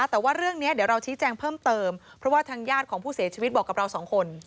แต่ว่าเรื่องนี้เดี๋ยวเราชี้แจงเพิ่มเติมเพราะว่าทางญาติของผู้เสียชีวิตบอกกับเราสองคน